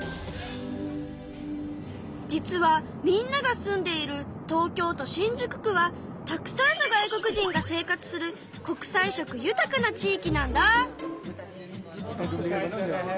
実はみんなが住んでいる東京都新宿区はたくさんの外国人が生活する国際色豊かな地いきなんだ。